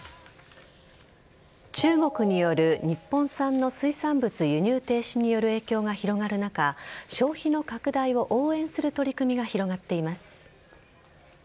中国による日本産の水産物輸入停止による影響が広がる中消費の拡大を応援する取り組みが広がっています。